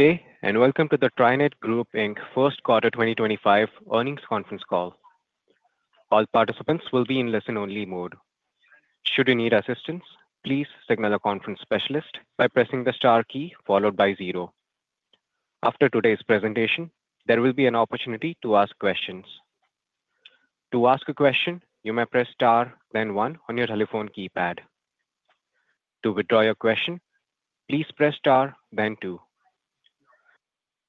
Good day, and welcome to the TriNet Group First Quarter 2025 earnings conference call. All participants will be in listen-only mode. Should you need assistance, please signal a conference specialist by pressing the star key followed by zero. After today's presentation, there will be an opportunity to ask questions. To ask a question, you may press star, then one on your telephone keypad. To withdraw your question, please press star, then two.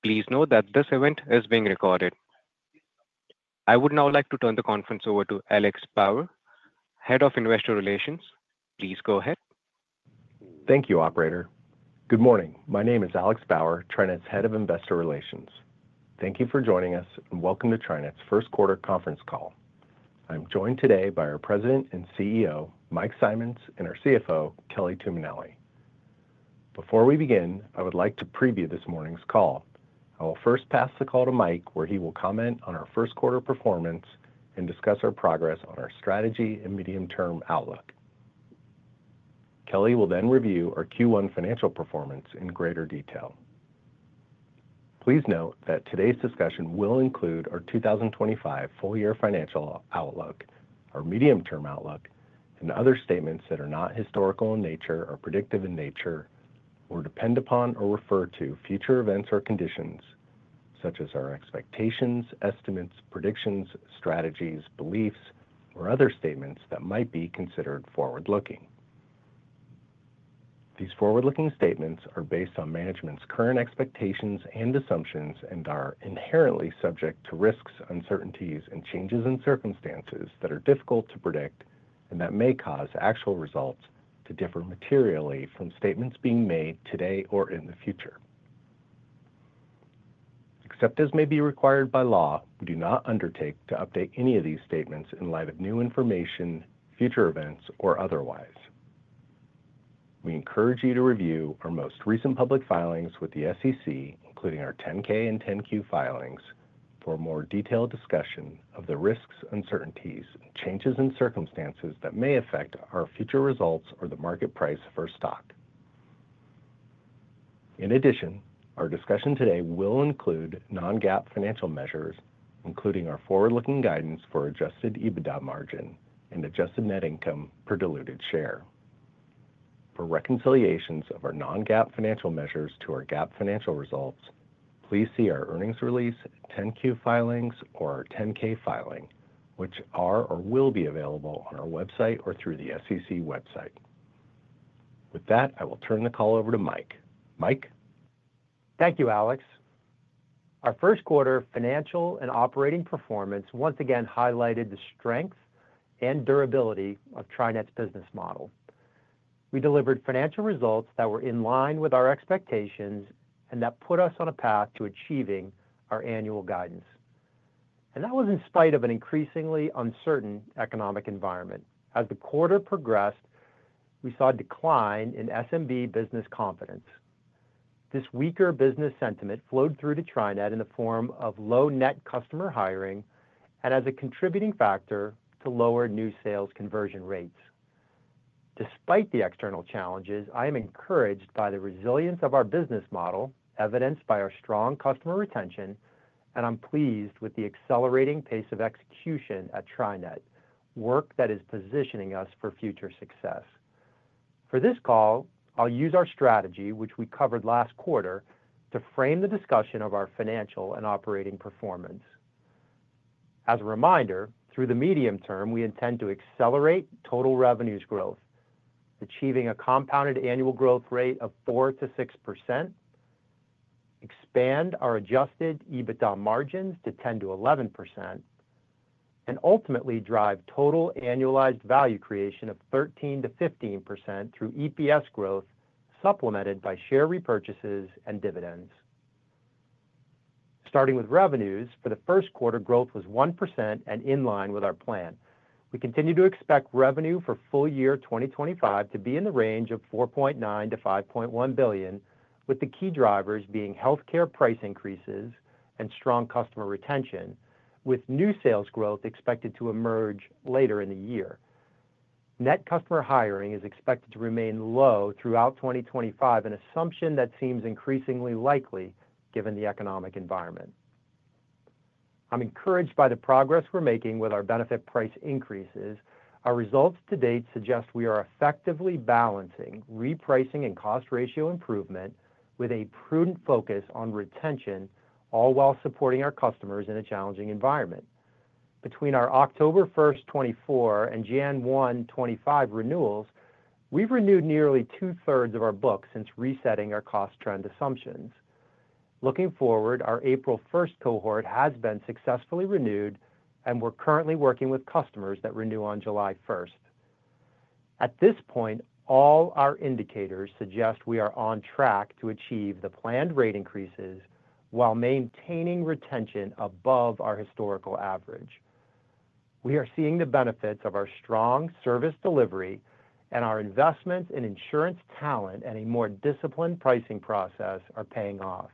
Please note that this event is being recorded. I would now like to turn the conference over to Alex Bauer, Head of Investor Relations. Please go ahead. Thank you, Operator. Good morning. My name is Alex Bauer, TriNet's Head of Investor Relations. Thank you for joining us, and welcome to TriNet's First Quarter conference call. I'm joined today by our President and CEO, Mike Simonds, and our CFO, Kelly Tuminelli. Before we begin, I would like to preview this morning's call. I will first pass the call to Mike, where he will comment on our first quarter performance and discuss our progress on our strategy and medium-term outlook. Kelly will then review our Q1 financial performance in greater detail. Please note that today's discussion will include our 2025 full-year financial outlook, our medium-term outlook, and other statements that are not historical in nature or predictive in nature or depend upon or refer to future events or conditions, such as our expectations, estimates, predictions, strategies, beliefs, or other statements that might be considered forward-looking. These forward-looking statements are based on management's current expectations and assumptions and are inherently subject to risks, uncertainties, and changes in circumstances that are difficult to predict and that may cause actual results to differ materially from statements being made today or in the future. Except as may be required by law, we do not undertake to update any of these statements in light of new information, future events, or otherwise. We encourage you to review our most recent public filings with the SEC, including our 10-K and 10-Q filings, for a more detailed discussion of the risks, uncertainties, changes in circumstances that may affect our future results or the market price for our stock. In addition, our discussion today will include non-GAAP financial measures, including our forward-looking guidance for adjusted EBITDA margin and adjusted net income per diluted share. For reconciliations of our non-GAAP financial measures to our GAAP financial results, please see our earnings release, 10-Q filings, or our 10-K filing, which are or will be available on our website or through the SEC website. With that, I will turn the call over to Mike. Mike. Thank you, Alex. Our first quarter financial and operating performance once again highlighted the strength and durability of TriNet's business model. We delivered financial results that were in line with our expectations and that put us on a path to achieving our annual guidance. That was in spite of an increasingly uncertain economic environment. As the quarter progressed, we saw a decline in SMB business confidence. This weaker business sentiment flowed through to TriNet in the form of low-net customer hiring and as a contributing factor to lower new sales conversion rates. Despite the external challenges, I am encouraged by the resilience of our business model, evidenced by our strong customer retention, and I'm pleased with the accelerating pace of execution at TriNet, work that is positioning us for future success. For this call, I'll use our strategy, which we covered last quarter, to frame the discussion of our financial and operating performance. As a reminder, through the medium term, we intend to accelerate total revenues growth, achieving a compounded annual growth rate of 4-6%, expand our adjusted EBITDA margins to 10-11%, and ultimately drive total annualized value creation of 13-15% through EPS growth supplemented by share repurchases and dividends. Starting with revenues, for the first quarter, growth was 1% and in line with our plan. We continue to expect revenue for full year 2025 to be in the range of $4.9 billion-$5.1 billion, with the key drivers being healthcare price increases and strong customer retention, with new sales growth expected to emerge later in the year. Net customer hiring is expected to remain low throughout 2025, an assumption that seems increasingly likely given the economic environment. I'm encouraged by the progress we're making with our benefit price increases. Our results to date suggest we are effectively balancing repricing and cost ratio improvement with a prudent focus on retention, all while supporting our customers in a challenging environment. Between our October 1, 2024, and January 1, 2025, renewals, we've renewed nearly two-thirds of our books since resetting our cost trend assumptions. Looking forward, our April 1 cohort has been successfully renewed, and we're currently working with customers that renew on July 1. At this point, all our indicators suggest we are on track to achieve the planned rate increases while maintaining retention above our historical average. We are seeing the benefits of our strong service delivery, and our investments in insurance talent and a more disciplined pricing process are paying off.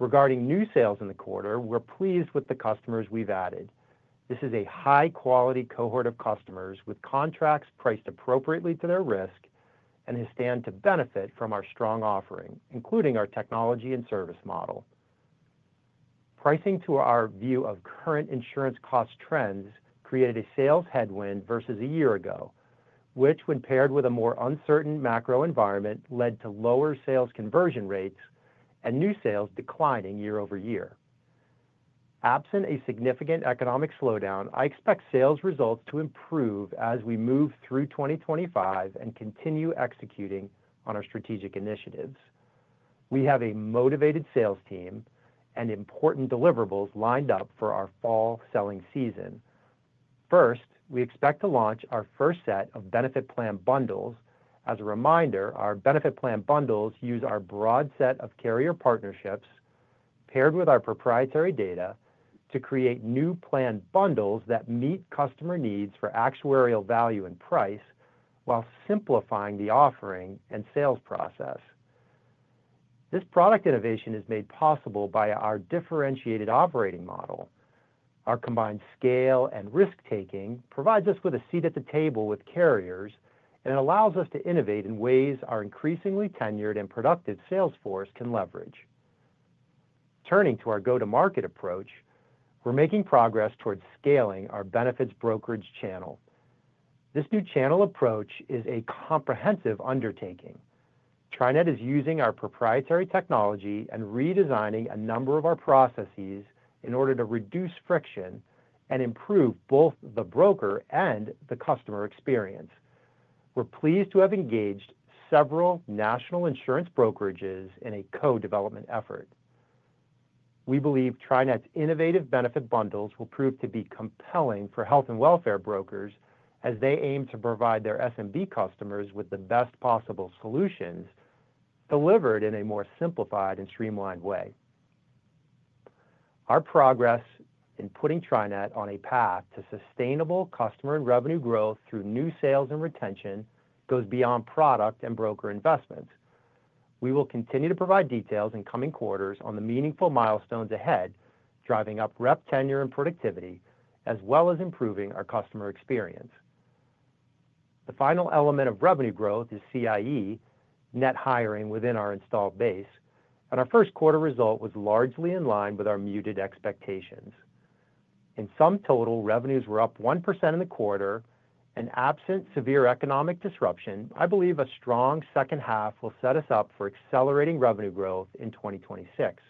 Regarding new sales in the quarter, we're pleased with the customers we've added. This is a high-quality cohort of customers with contracts priced appropriately to their risk and who stand to benefit from our strong offering, including our technology and service model. Pricing to our view of current insurance cost trends created a sales headwind versus a year ago, which, when paired with a more uncertain macro environment, led to lower sales conversion rates and new sales declining year over year. Absent a significant economic slowdown, I expect sales results to improve as we move through 2025 and continue executing on our strategic initiatives. We have a motivated sales team and important deliverables lined up for our fall selling season. First, we expect to launch our first set of benefit plan bundles. As a reminder, our benefit plan bundles use our broad set of carrier partnerships paired with our proprietary data to create new plan bundles that meet customer needs for actuarial value and price while simplifying the offering and sales process. This product innovation is made possible by our differentiated operating model. Our combined scale and risk-taking provides us with a seat at the table with carriers and allows us to innovate in ways our increasingly tenured and productive sales force can leverage. Turning to our go-to-market approach, we're making progress towards scaling our benefits brokerage channel. This new channel approach is a comprehensive undertaking. TriNet is using our proprietary technology and redesigning a number of our processes in order to reduce friction and improve both the broker and the customer experience. We're pleased to have engaged several national insurance brokerages in a co-development effort. We believe TriNet's innovative benefit bundles will prove to be compelling for health and welfare brokers as they aim to provide their SMB customers with the best possible solutions delivered in a more simplified and streamlined way. Our progress in putting TriNet on a path to sustainable customer and revenue growth through new sales and retention goes beyond product and broker investments. We will continue to provide details in coming quarters on the meaningful milestones ahead, driving up rep tenure and productivity, as well as improving our customer experience. The final element of revenue growth is CIE, net hiring within our installed base, and our first quarter result was largely in line with our muted expectations. In sum total, revenues were up 1% in the quarter, and absent severe economic disruption, I believe a strong second half will set us up for accelerating revenue growth in 2026.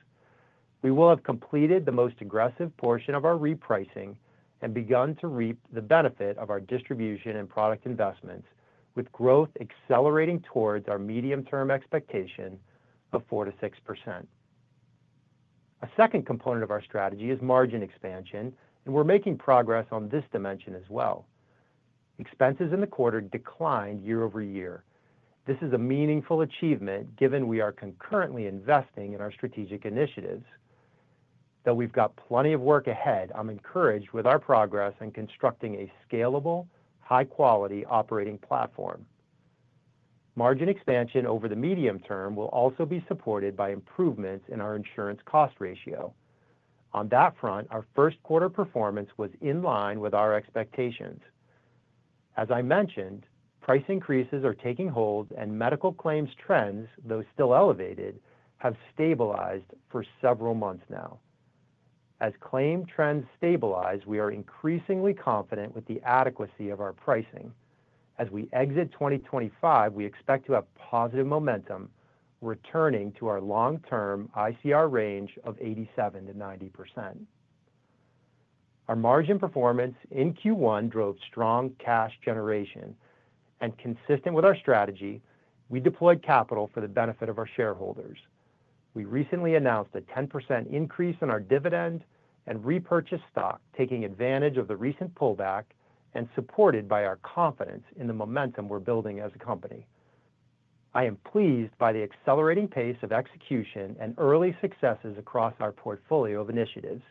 We will have completed the most aggressive portion of our repricing and begun to reap the benefit of our distribution and product investments, with growth accelerating towards our medium-term expectation of 4-6%. A second component of our strategy is margin expansion, and we're making progress on this dimension as well. Expenses in the quarter declined year over year. This is a meaningful achievement given we are concurrently investing in our strategic initiatives. Though we've got plenty of work ahead, I'm encouraged with our progress in constructing a scalable, high-quality operating platform. Margin expansion over the medium term will also be supported by improvements in our insurance cost ratio. On that front, our first quarter performance was in line with our expectations. As I mentioned, price increases are taking hold, and medical claims trends, though still elevated, have stabilized for several months now. As claim trends stabilize, we are increasingly confident with the adequacy of our pricing. As we exit 2025, we expect to have positive momentum returning to our long-term ICR range of 87-90%. Our margin performance in Q1 drove strong cash generation, and consistent with our strategy, we deployed capital for the benefit of our shareholders. We recently announced a 10% increase in our dividend and repurchase stock, taking advantage of the recent pullback and supported by our confidence in the momentum we're building as a company. I am pleased by the accelerating pace of execution and early successes across our portfolio of initiatives.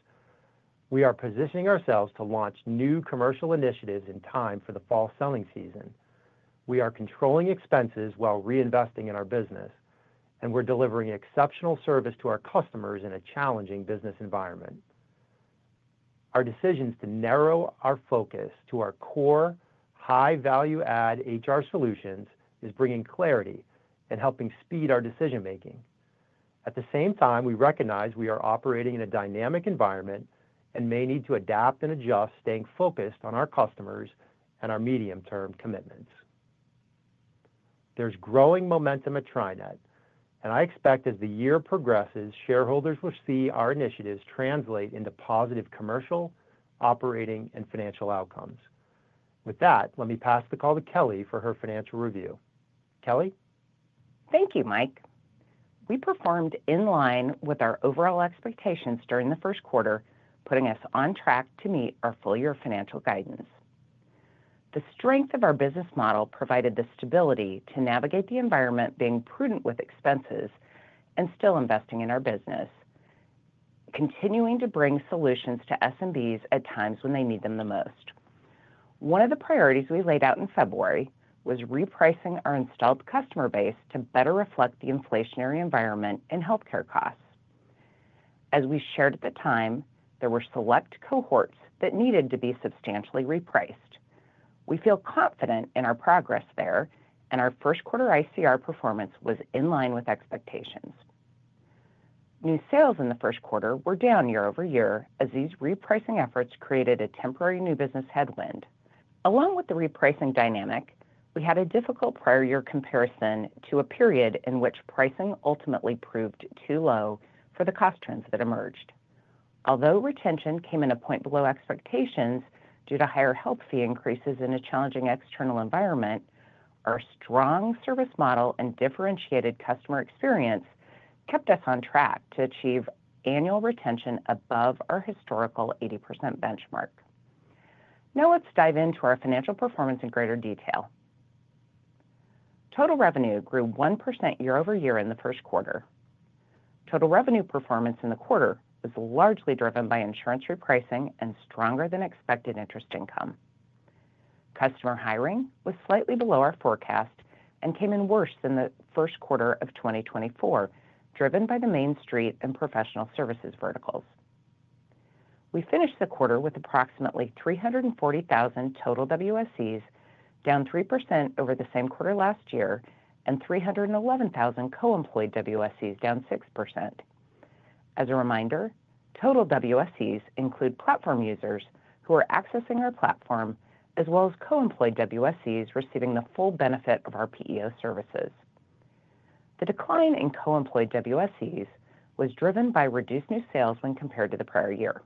We are positioning ourselves to launch new commercial initiatives in time for the fall selling season. We are controlling expenses while reinvesting in our business, and we're delivering exceptional service to our customers in a challenging business environment. Our decisions to narrow our focus to our core high-value-add HR solutions is bringing clarity and helping speed our decision-making. At the same time, we recognize we are operating in a dynamic environment and may need to adapt and adjust, staying focused on our customers and our medium-term commitments. There's growing momentum at TriNet, and I expect as the year progresses, shareholders will see our initiatives translate into positive commercial, operating, and financial outcomes. With that, let me pass the call to Kelly for her financial review. Kelly? Thank you, Mike. We performed in line with our overall expectations during the first quarter, putting us on track to meet our full year financial guidance. The strength of our business model provided the stability to navigate the environment, being prudent with expenses and still investing in our business, continuing to bring solutions to SMBs at times when they need them the most. One of the priorities we laid out in February was repricing our installed customer base to better reflect the inflationary environment in healthcare costs. As we shared at the time, there were select cohorts that needed to be substantially repriced. We feel confident in our progress there, and our first quarter ICR performance was in line with expectations. New sales in the first quarter were down year over year as these repricing efforts created a temporary new business headwind. Along with the repricing dynamic, we had a difficult prior year comparison to a period in which pricing ultimately proved too low for the cost trends that emerged. Although retention came in a point below expectations due to higher health fee increases in a challenging external environment, our strong service model and differentiated customer experience kept us on track to achieve annual retention above our historical 80% benchmark. Now let's dive into our financial performance in greater detail. Total revenue grew 1% year over year in the first quarter. Total revenue performance in the quarter was largely driven by insurance repricing and stronger-than-expected interest income. Customer hiring was slightly below our forecast and came in worse than the first quarter of 2024, driven by the Main Street and Professional Services verticals. We finished the quarter with approximately 340,000 total WSEs, down 3% over the same quarter last year, and 311,000 co-employed WSEs, down 6%. As a reminder, total WSEs include platform users who are accessing our platform, as well as co-employed WSEs receiving the full benefit of our PEO services. The decline in co-employed WSEs was driven by reduced new sales when compared to the prior year.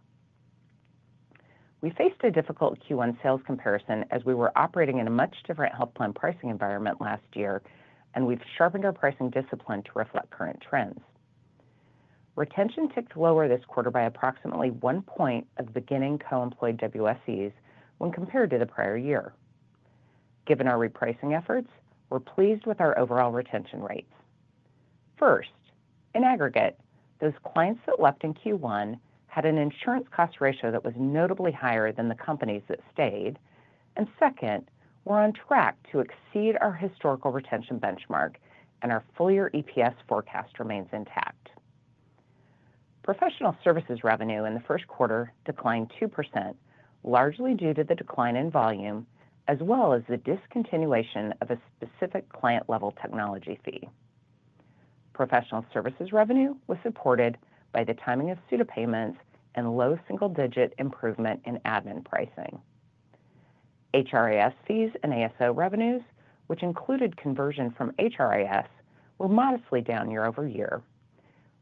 We faced a difficult Q1 sales comparison as we were operating in a much different health plan pricing environment last year, and we've sharpened our pricing discipline to reflect current trends. Retention ticked lower this quarter by approximately 1% point of beginning co-employed WSEs when compared to the prior year. Given our repricing efforts, we're pleased with our overall retention rates. First, in aggregate, those clients that left in Q1 had an insurance cost ratio that was notably higher than the companies that stayed, and second, we're on track to exceed our historical retention benchmark, and our full year EPS forecast remains intact. Professional services revenue in the first quarter declined 2%, largely due to the decline in volume, as well as the discontinuation of a specific client-level technology fee. Professional services revenue was supported by the timing of pseudopayments and low single-digit improvement in admin pricing. HRIS fees and ASO revenues, which included conversion from HRIS, were modestly down year over year.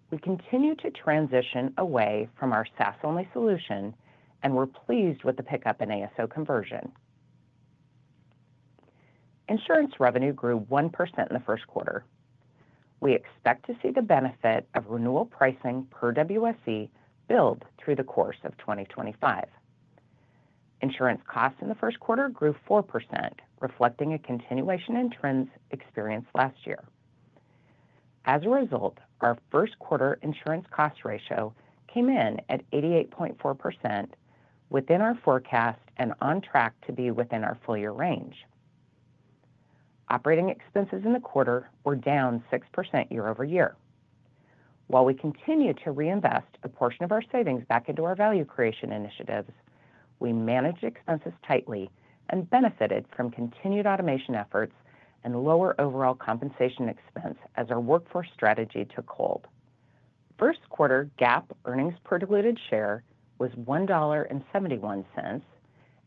We continue to transition away from our SaaS-only solution, and we're pleased with the pickup in ASO conversion. Insurance revenue grew 1% in the first quarter. We expect to see the benefit of renewal pricing per WSE build through the course of 2025. Insurance costs in the first quarter grew 4%, reflecting a continuation in trends experienced last year. As a result, our first quarter insurance cost ratio came in at 88.4% within our forecast and on track to be within our full year range. Operating expenses in the quarter were down 6% year over year. While we continue to reinvest a portion of our savings back into our value creation initiatives, we managed expenses tightly and benefited from continued automation efforts and lower overall compensation expense as our workforce strategy took hold. First quarter GAAP earnings per diluted share was $1.71,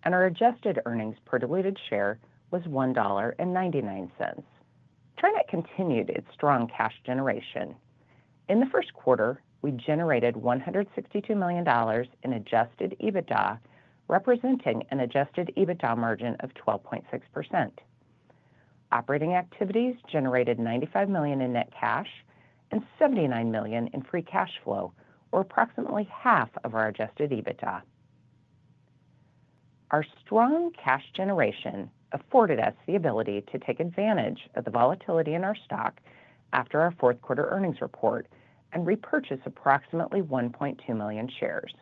and our adjusted earnings per diluted share was $1.99. TriNet continued its strong cash generation. In the first quarter, we generated $162 million in adjusted EBITDA, representing an adjusted EBITDA margin of 12.6%. Operating activities generated $95 million in net cash and $79 million in free cash flow, or approximately half of our adjusted EBITDA. Our strong cash generation afforded us the ability to take advantage of the volatility in our stock after our fourth quarter earnings report and repurchase approximately 1.2 million shares.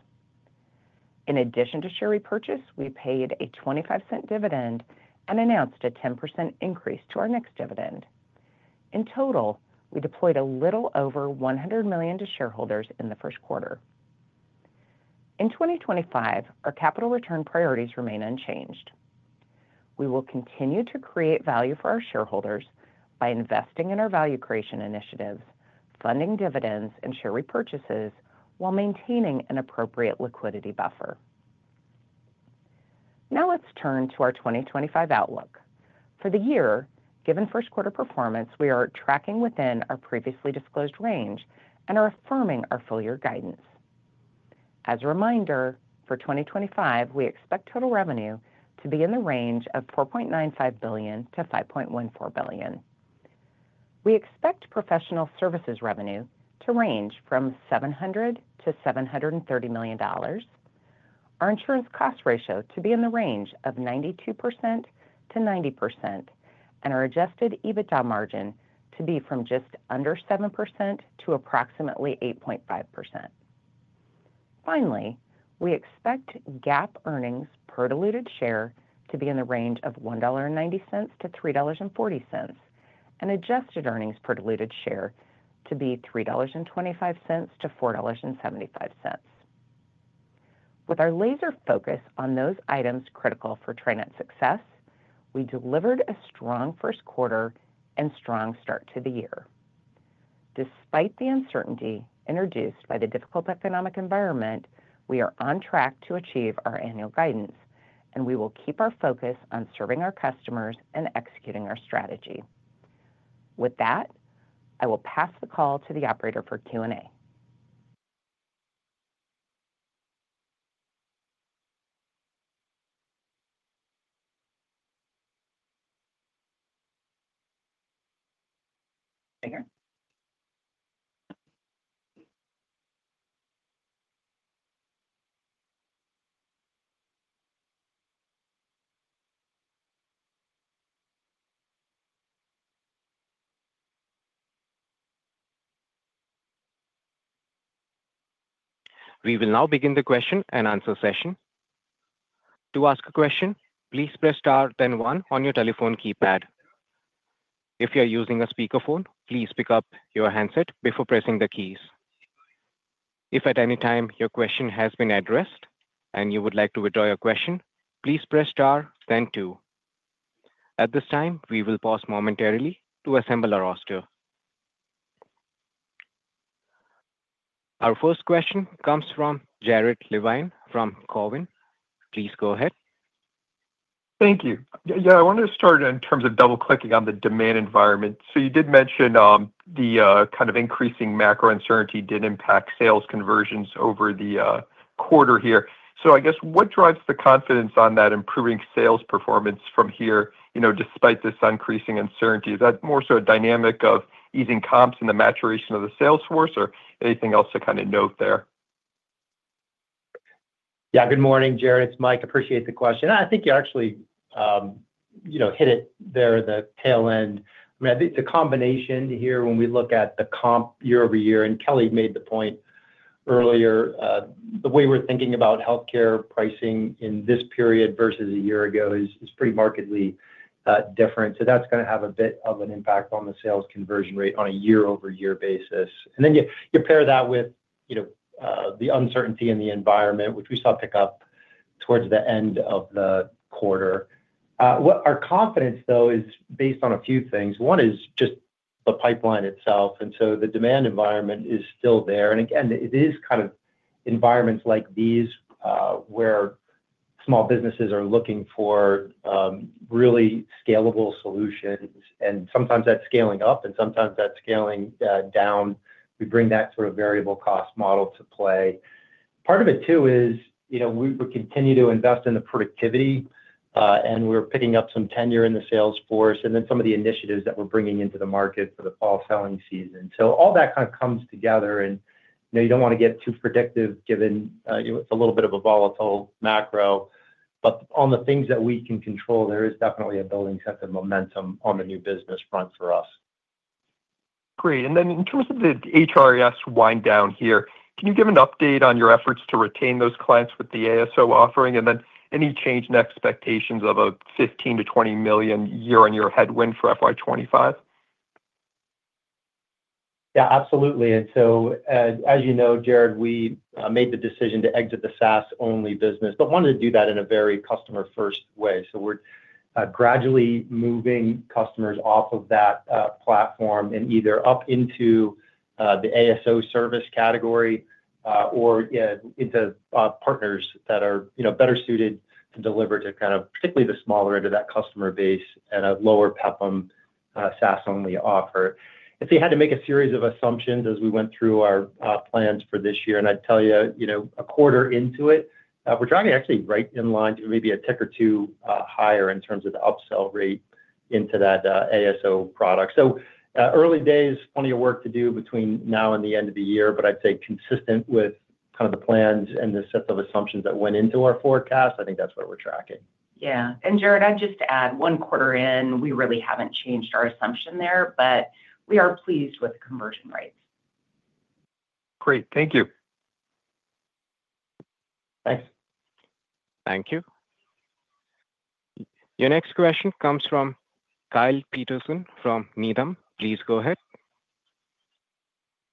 In addition to share repurchase, we paid a $0.25 dividend and announced a 10% increase to our next dividend. In total, we deployed a little over $100 million to shareholders in the first quarter. In 2025, our capital return priorities remain unchanged. We will continue to create value for our shareholders by investing in our value creation initiatives, funding dividends and share repurchases, while maintaining an appropriate liquidity buffer. Now let's turn to our 2025 outlook. For the year, given first quarter performance, we are tracking within our previously disclosed range and are affirming our full year guidance. As a reminder, for 2025, we expect total revenue to be in the range of $4.95 billion-$5.14 billion. We expect professional services revenue to range from $700-$730 million, our insurance cost ratio to be in the range of 92%-90%, and our adjusted EBITDA margin to be from just under 7% to approximately 8.5%. Finally, we expect GAAP earnings per diluted share to be in the range of $1.90-$3.40, and adjusted earnings per diluted share to be $3.25-$4.75. With our laser focus on those items critical for TriNet success, we delivered a strong first quarter and strong start to the year. Despite the uncertainty introduced by the difficult economic environment, we are on track to achieve our annual guidance, and we will keep our focus on serving our customers and executing our strategy. With that, I will pass the call to the operator for Q&A. We will now begin the question and answer session. To ask a question, please press star then one on your telephone keypad. If you are using a speakerphone, please pick up your handset before pressing the keys. If at any time your question has been addressed and you would like to withdraw your question, please press Star then two. At this time, we will pause momentarily to assemble our roster. Our first question comes from Jared Levine from Cowen. Please go ahead. Thank you. Yeah, I wanted to start in terms of double-clicking on the demand environment. You did mention the kind of increasing macro uncertainty did impact sales conversions over the quarter here. I guess what drives the confidence on that improving sales performance from here, you know, despite this increasing uncertainty? Is that more so a dynamic of easing comps and the maturation of the sales force, or anything else to kind of note there? Yeah, good morning, Jared. It's Mike. Appreciate the question. I think you actually, you know, hit it there at the tail end. I mean, I think it's a combination here when we look at the comp year over year, and Kelly made the point earlier. The way we're thinking about healthcare pricing in this period versus a year ago is pretty markedly different. That's going to have a bit of an impact on the sales conversion rate on a year-over-year basis. You pair that with, you know, the uncertainty in the environment, which we saw pick up towards the end of the quarter. Our confidence, though, is based on a few things. One is just the pipeline itself, and so the demand environment is still there. It is kind of environments like these where small businesses are looking for really scalable solutions, and sometimes that's scaling up, and sometimes that's scaling down. We bring that sort of variable cost model to play. Part of it too is, you know, we continue to invest in the productivity, and we're picking up some tenure in the sales force, and then some of the initiatives that we're bringing into the market for the fall selling season. All that kind of comes together, and you know, you don't want to get too predictive given, you know, it's a little bit of a volatile macro. On the things that we can control, there is definitely a building sense of momentum on the new business front for us. Great. In terms of the HRAS wind down here, can you give an update on your efforts to retain those clients with the ASO offering, and then any change in expectations of a $15 million-$20 million year-on-year headwind for FY2025? Yeah, absolutely. As you know, Jared, we made the decision to exit the SaaS-only business, but wanted to do that in a very customer-first way. We are gradually moving customers off of that platform and either up into the ASO service category or into partners that are, you know, better suited to deliver to kind of particularly the smaller end of that customer base and a lower PEPM SaaS-only offer. They had to make a series of assumptions as we went through our plans for this year, and I'd tell you, you know, a quarter into it, we are driving actually right in line to maybe a tick or two higher in terms of the upsell rate into that ASO product. Early days, plenty of work to do between now and the end of the year, but I'd say consistent with kind of the plans and the set of assumptions that went into our forecast. I think that's what we're tracking. Yeah. Jared, I'd just add one quarter in, we really haven't changed our assumption there, but we are pleased with the conversion rates. Great. Thank you. Thanks. Thank you. Your next question comes from Kyle Peterson from Needham. Please go ahead.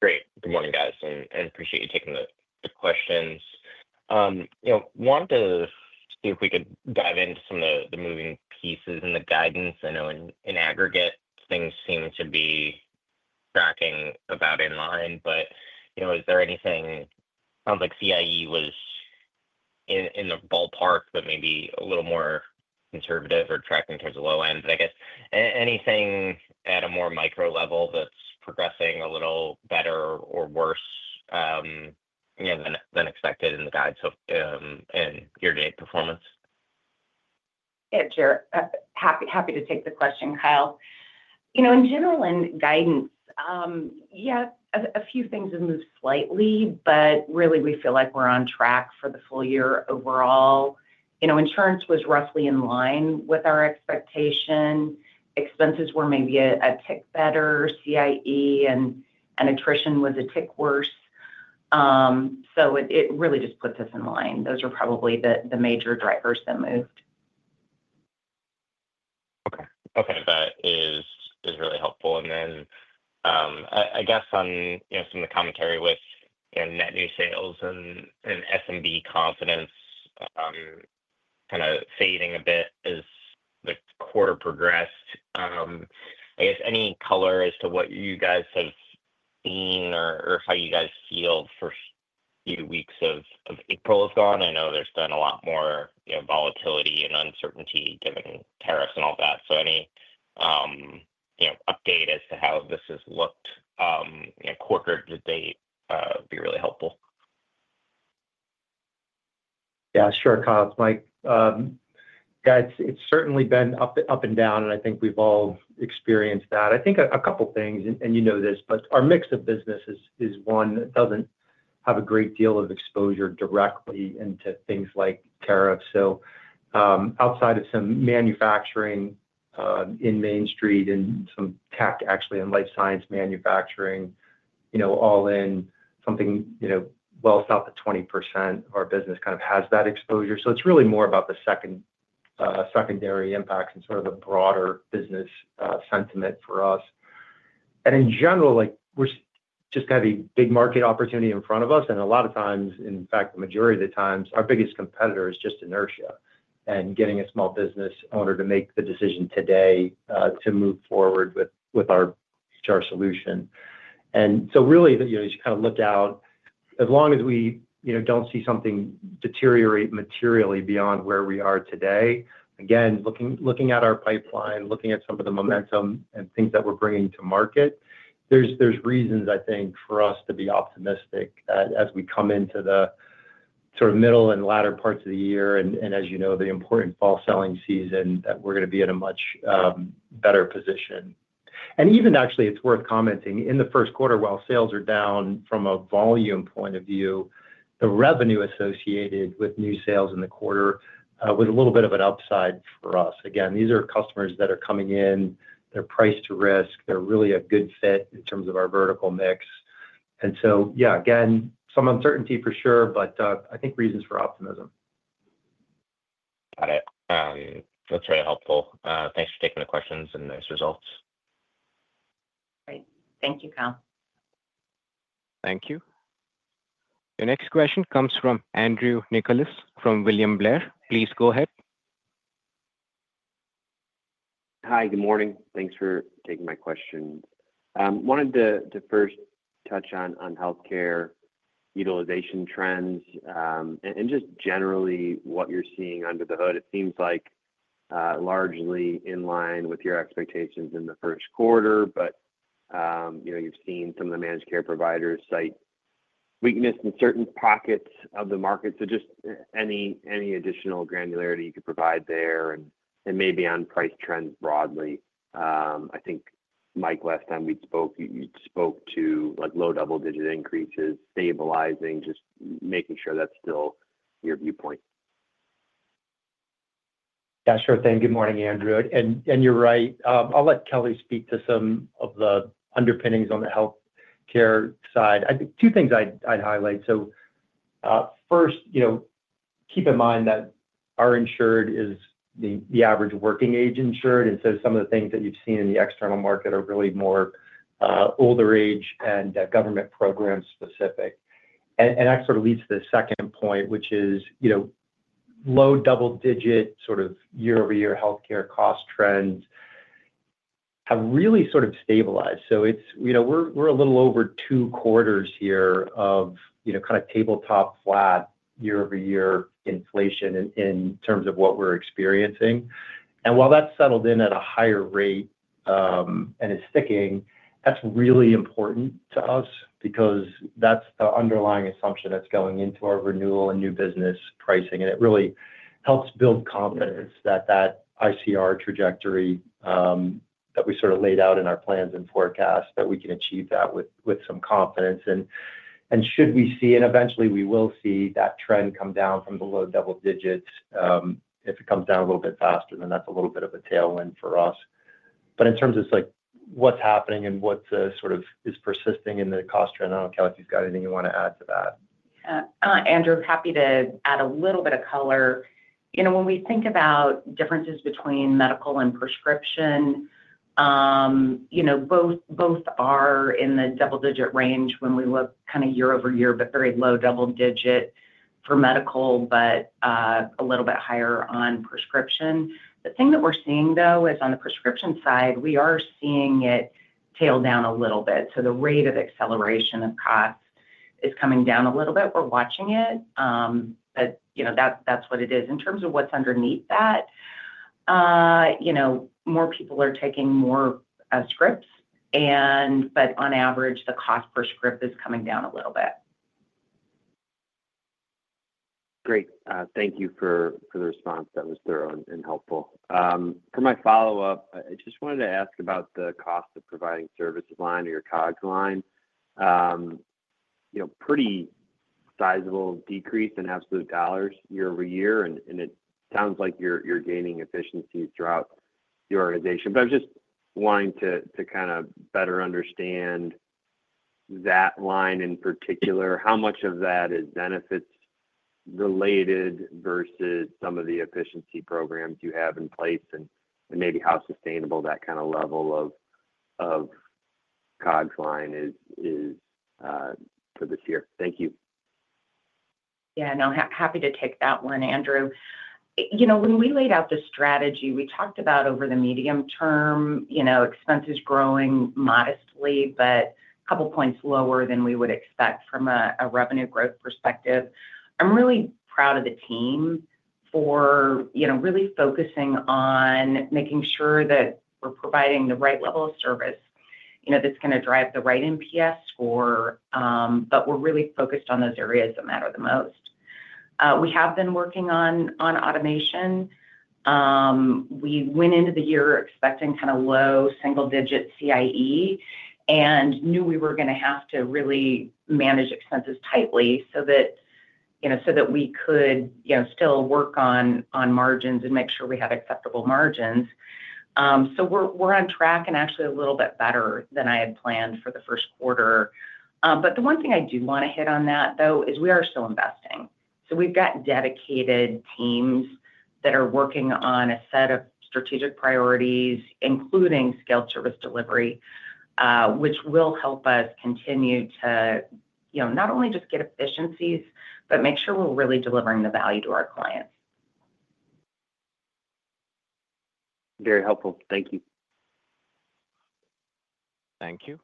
Great. Good morning, guys, and appreciate you taking the questions. You know, wanted to see if we could dive into some of the moving pieces and the guidance. I know in aggregate, things seem to be tracking about in line, but, you know, is there anything? Sounds like CIE was in the ballpark, but maybe a little more conservative or tracking towards the low end. I guess anything at a more micro level that's progressing a little better or worse, you know, than expected in the guides and year-to-date performance? Yeah, Jared, happy to take the question, Kyle. You know, in general in guidance, yeah, a few things have moved slightly, but really we feel like we're on track for the full year overall. You know, insurance was roughly in line with our expectation. Expenses were maybe a tick better. CIE and attrition was a tick worse. It really just puts us in line. Those are probably the major drivers that moved. Okay. Okay. That is really helpful. I guess on, you know, some of the commentary with, you know, net new sales and SMB confidence kind of fading a bit as the quarter progressed, I guess any color as to what you guys have seen or how you guys feel for a few weeks of April has gone? I know there's been a lot more, you know, volatility and uncertainty given tariffs and all that. Any, you know, update as to how this has looked, you know, quarter to date would be really helpful. Yeah, sure, Kyle, Mike. Yeah, it's certainly been up and down, and I think we've all experienced that. I think a couple of things, and you know this, but our mix of business is one that doesn't have a great deal of exposure directly into things like tariffs. Outside of some manufacturing in Main Street and some tech, actually, and life science manufacturing, you know, all in something, you know, well south of 20% of our business kind of has that exposure. It's really more about the secondary impacts and sort of the broader business sentiment for us. In general, like we're just going to have a big market opportunity in front of us, and a lot of times, in fact, the majority of the times, our biggest competitor is just inertia and getting a small business owner to make the decision today to move forward with our HR solution. Really, you know, you just kind of looked out. As long as we, you know, do not see something deteriorate materially beyond where we are today, again, looking at our pipeline, looking at some of the momentum and things that we're bringing to market, there are reasons, I think, for us to be optimistic as we come into the sort of middle and latter parts of the year and, as you know, the important fall selling season that we're going to be in a much better position. Actually, it's worth commenting in the first quarter, while sales are down from a volume point of view, the revenue associated with new sales in the quarter was a little bit of an upside for us. Again, these are customers that are coming in, they're priced to risk, they're really a good fit in terms of our vertical mix. Yeah, again, some uncertainty for sure, but I think reasons for optimism. Got it. That's very helpful. Thanks for taking the questions and nice results. Great. Thank you, Kyle. Thank you. Your next question comes from Andrew Nicholas from William Blair. Please go ahead. Hi, good morning. Thanks for taking my question. Wanted to first touch on healthcare utilization trends and just generally what you're seeing under the hood. It seems like largely in line with your expectations in the first quarter, but, you know, you've seen some of the managed care providers cite weakness in certain pockets of the market. Just any additional granularity you could provide there and maybe on price trends broadly. I think, Mike, last time we spoke, you spoke to like low double-digit increases, stabilizing, just making sure that's still your viewpoint. Yeah, sure thing. Good morning, Andrew. You're right. I'll let Kelly speak to some of the underpinnings on the healthcare side. Two things I'd highlight. First, you know, keep in mind that our insured is the average working-age insured, and some of the things that you've seen in the external market are really more older age and government program specific. That sort of leads to the second point, which is, you know, low double-digit year-over-year healthcare cost trends have really sort of stabilized. It's, you know, we're a little over two quarters here of, you know, kind of tabletop flat year-over-year inflation in terms of what we're experiencing. While that's settled in at a higher rate and is sticking, that's really important to us because that's the underlying assumption that's going into our renewal and new business pricing, and it really helps build confidence that that ICR trajectory that we sort of laid out in our plans and forecast that we can achieve that with some confidence. Should we see, and eventually we will see, that trend come down from the low double-digits, if it comes down a little bit faster, then that's a little bit of a tailwind for us. In terms of like what's happening and what's sort of persisting in the cost trend, I don't know, Kyle, if you've got anything you want to add to that. Yeah. Andrew, happy to add a little bit of color. You know, when we think about differences between medical and prescription, you know, both are in the double-digit range when we look kind of year-over-year, but very low double-digit for medical, but a little bit higher on prescription. The thing that we're seeing, though, is on the prescription side, we are seeing it tail down a little bit. The rate of acceleration of cost is coming down a little bit. We're watching it, but, you know, that's what it is. In terms of what's underneath that, you know, more people are taking more scripts, and but on average, the cost per script is coming down a little bit. Great. Thank you for the response. That was thorough and helpful. For my follow-up, I just wanted to ask about the cost of providing service line or your COGS line. You know, pretty sizable decrease in absolute dollars year-over-year, and it sounds like you're gaining efficiencies throughout the organization. I was just wanting to kind of better understand that line in particular, how much of that is benefits-related versus some of the efficiency programs you have in place, and maybe how sustainable that kind of level of COGS line is for this year. Thank you. Yeah, and I'm happy to take that one, Andrew. You know, when we laid out the strategy, we talked about over the medium term, you know, expenses growing modestly, but a couple points lower than we would expect from a revenue growth perspective. I'm really proud of the team for, you know, really focusing on making sure that we're providing the right level of service, you know, that's going to drive the right NPS score, but we're really focused on those areas that matter the most. We have been working on automation. We went into the year expecting kind of low single-digit CIE and knew we were going to have to really manage expenses tightly so that, you know, so that we could, you know, still work on margins and make sure we had acceptable margins. We're on track and actually a little bit better than I had planned for the first quarter. The one thing I do want to hit on that, though, is we are still investing. We've got dedicated teams that are working on a set of strategic priorities, including scaled service delivery, which will help us continue to, you know, not only just get efficiencies, but make sure we're really delivering the value to our clients. Very helpful. Thank you. Thank you.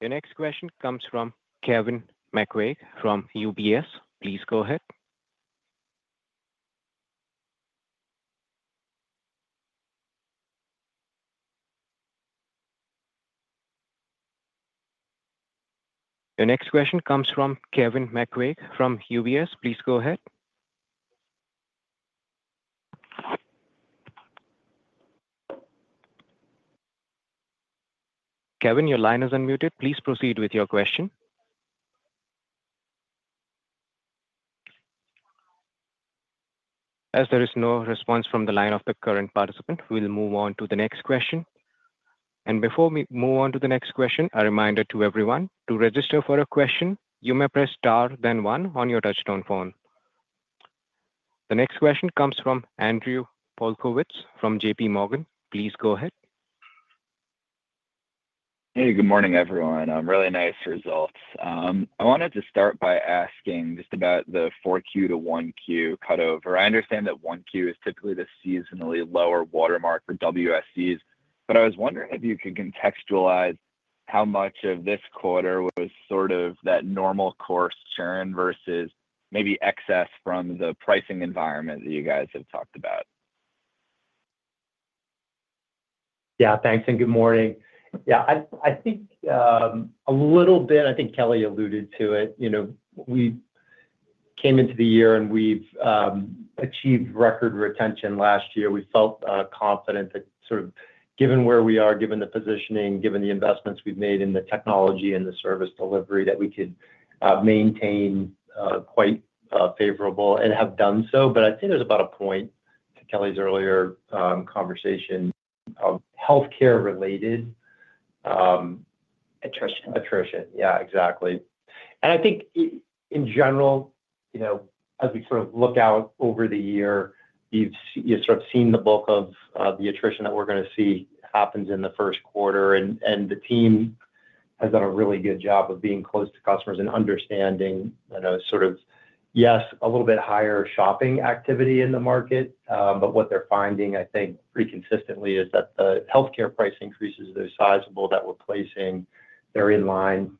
Your next question comes from Kevin McQuaid from UBS. Please go ahead. Kevin, your line is unmuted. Please proceed with your question. As there is no response from the line of the current participant, we'll move on to the next question. Before we move on to the next question, a reminder to everyone to register for a question, you may press star then one on your touchstone phone. The next question comes from Andrew Wokasch from JPMorgan. Please go ahead. Hey, good morning, everyone. Really nice results. I wanted to start by asking just about the 4Q-1Q cutover. I understand that 1Q is typically the seasonally lower watermark for WSEs, but I was wondering if you could contextualize how much of this quarter was sort of that normal course churn versus maybe excess from the pricing environment that you guys have talked about. Yeah, thanks, and good morning. Yeah, I think a little bit, I think Kelly alluded to it. You know, we came into the year and we've achieved record retention last year. We felt confident that sort of given where we are, given the positioning, given the investments we've made in the technology and the service delivery that we could maintain quite favorable and have done so. I think there's about a point to Kelly's earlier conversation of healthcare-related. Attrition. Attrition, yeah, exactly. I think in general, you know, as we sort of look out over the year, you've sort of seen the bulk of the attrition that we're going to see happens in the first quarter, and the team has done a really good job of being close to customers and understanding, you know, sort of, yes, a little bit higher shopping activity in the market. What they're finding, I think, pretty consistently is that the healthcare price increase is so sizable that we're placing there in line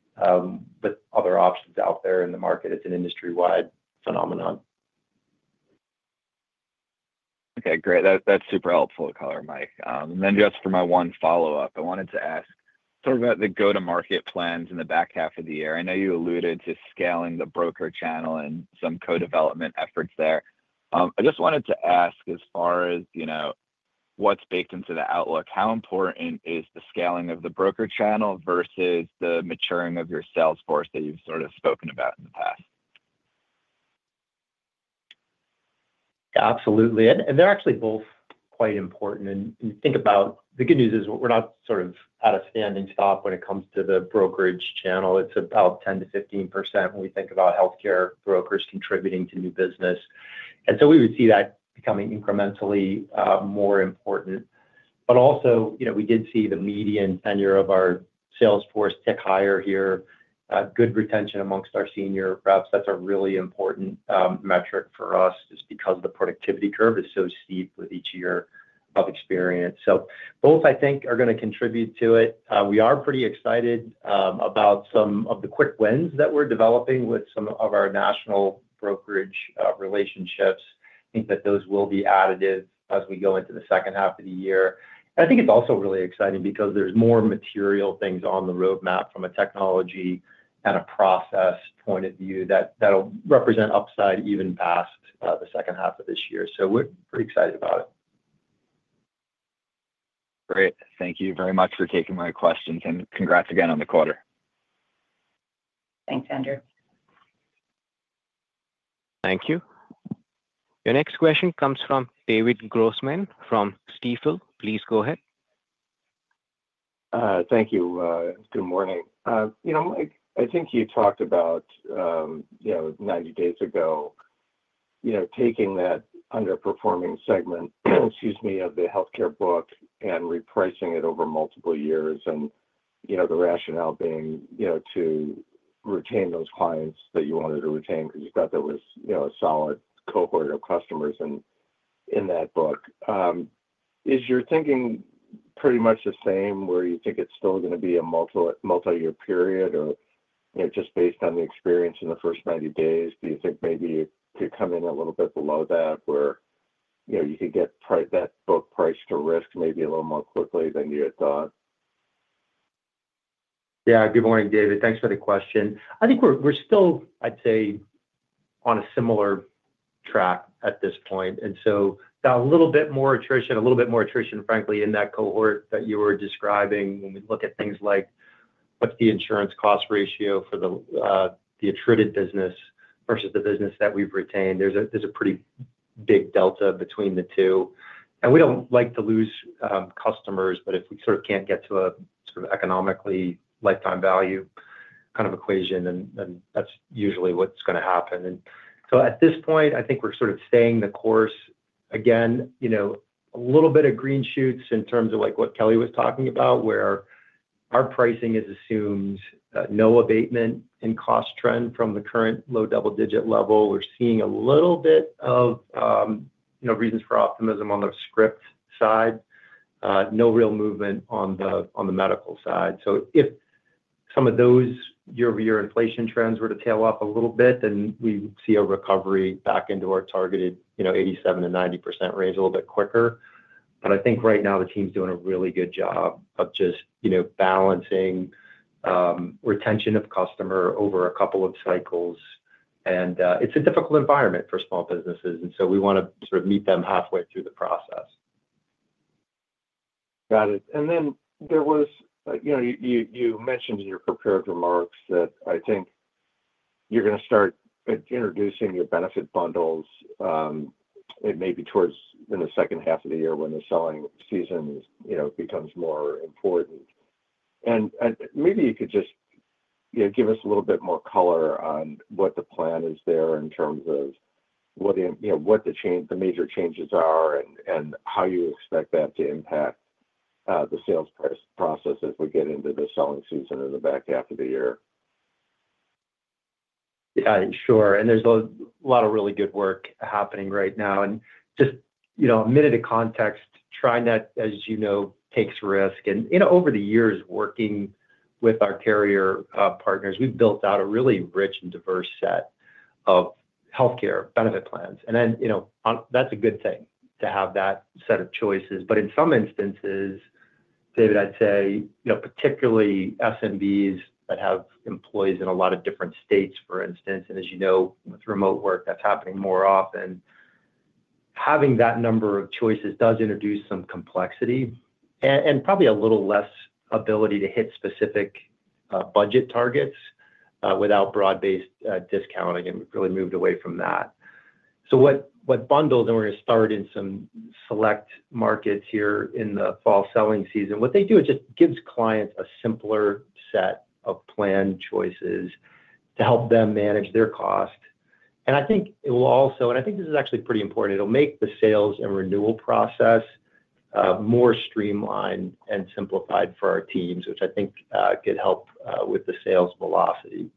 with other options out there in the market. It's an industry-wide phenomenon. Okay, great. That's super helpful to color, Mike. Then just for my one follow-up, I wanted to ask sort of about the go-to-market plans in the back half of the year. I know you alluded to scaling the broker channel and some co-development efforts there. I just wanted to ask as far as, you know, what's baked into the outlook, how important is the scaling of the broker channel versus the maturing of your sales force that you've sort of spoken about in the past? Absolutely. They are actually both quite important. The good news is we are not sort of at a standing stop when it comes to the brokerage channel. It is about 10-15% when we think about healthcare brokers contributing to new business. We would see that becoming incrementally more important. Also, you know, we did see the median tenure of our sales force tick higher here. Good retention amongst our senior reps, that is a really important metric for us just because the productivity curve is so steep with each year of experience. Both, I think, are going to contribute to it. We are pretty excited about some of the quick wins that we are developing with some of our national brokerage relationships. I think that those will be additive as we go into the second half of the year. I think it's also really exciting because there's more material things on the roadmap from a technology and a process point of view that'll represent upside even past the second half of this year. We're pretty excited about it. Great. Thank you very much for taking my questions, and congrats again on the quarter. Thanks, Andrew. Thank you. Your next question comes from David Grossman from Stifel. Please go ahead. Thank you. Good morning. You know, Mike, I think you talked about, you know, 90 days ago, you know, taking that underperforming segment, excuse me, of the healthcare book and repricing it over multiple years and, you know, the rationale being, you know, to retain those clients that you wanted to retain because you thought there was, you know, a solid cohort of customers in that book. Is your thinking pretty much the same where you think it's still going to be a multi-year period or, you know, just based on the experience in the first 90 days? Do you think maybe you could come in a little bit below that where, you know, you could get that book price to risk maybe a little more quickly than you had thought? Yeah, good morning, David. Thanks for the question. I think we're still, I'd say, on a similar track at this point. A little bit more attrition, a little bit more attrition, frankly, in that cohort that you were describing when we look at things like what's the insurance cost ratio for the attrited business versus the business that we've retained. There's a pretty big delta between the two. We don't like to lose customers, but if we sort of can't get to a sort of economically lifetime value kind of equation, then that's usually what's going to happen. At this point, I think we're sort of staying the course. Again, you know, a little bit of green shoots in terms of like what Kelly was talking about where our pricing has assumed no abatement in cost trend from the current low double-digit level. We're seeing a little bit of, you know, reasons for optimism on the script side. No real movement on the medical side. If some of those year-over-year inflation trends were to tail off a little bit, then we would see a recovery back into our targeted, you know, 87-90% range a little bit quicker. I think right now the team's doing a really good job of just, you know, balancing retention of customer over a couple of cycles. It's a difficult environment for small businesses, and we want to sort of meet them halfway through the process. Got it. You mentioned in your prepared remarks that I think you're going to start introducing your benefit bundles maybe towards the second half of the year when the selling season becomes more important. Maybe you could just give us a little bit more color on what the plan is there in terms of what the major changes are and how you expect that to impact the sales process as we get into the selling season in the back half of the year. Yeah, sure. There's a lot of really good work happening right now. Just, you know, a minute of context, TriNet, as you know, takes risk. Over the years working with our carrier partners, we've built out a really rich and diverse set of healthcare benefit plans. That's a good thing to have that set of choices. In some instances, David, I'd say, particularly SMBs that have employees in a lot of different states, for instance, and as you know, with remote work, that's happening more often, having that number of choices does introduce some complexity and probably a little less ability to hit specific budget targets without broad-based discounting. We've really moved away from that. What bundles, and we're going to start in some select markets here in the fall selling season, what they do is just gives clients a simpler set of planned choices to help them manage their cost. I think it will also, and I think this is actually pretty important, it'll make the sales and renewal process more streamlined and simplified for our teams, which I think could help with the sales velocity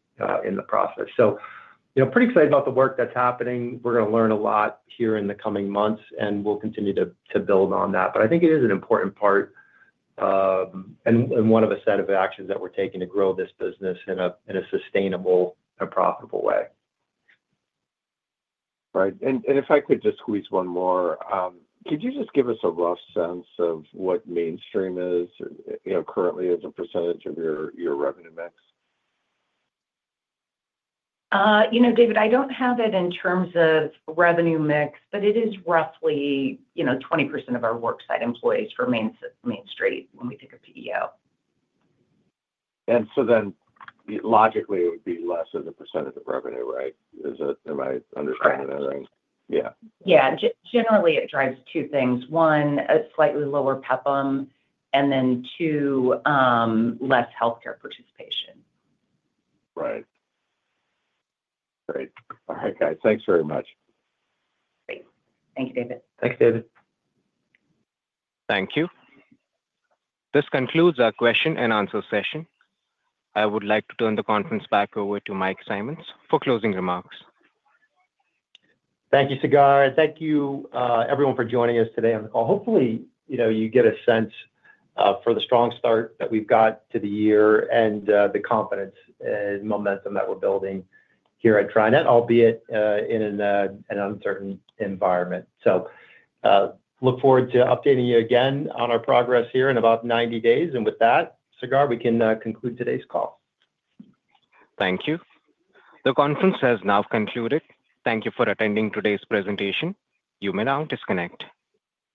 in the process. You know, pretty excited about the work that's happening. We're going to learn a lot here in the coming months, and we'll continue to build on that. I think it is an important part and one of a set of actions that we're taking to grow this business in a sustainable and profitable way. Right. If I could just squeeze one more, could you just give us a rough sense of what Main Street is, you know, currently as a percentage of your revenue mix? You know, David, I don't have it in terms of revenue mix, but it is roughly, you know, 20% of our worksite employees for Main Street when we think of PEO. Logically, it would be less than a percentage of revenue, right? Is that, am I understanding that right? Correct. Yeah. Yeah. Generally, it drives two things. One, a slightly lower PEPM, and then two, less healthcare participation. Right. Great. All right, guys. Thanks very much. Great. Thank you, David. Thanks, David. Thank you. This concludes our question and answer session. I would like to turn the conference back over to Mike Simonds for closing remarks. Thank you, Sagar. Thank you, everyone, for joining us today on the call. Hopefully, you know, you get a sense for the strong start that we've got to the year and the confidence and momentum that we're building here at TriNet, albeit in an uncertain environment. I look forward to updating you again on our progress here in about 90 days. With that, Sagar, we can conclude today's call. Thank you. The conference has now concluded. Thank you for attending today's presentation. You may now disconnect.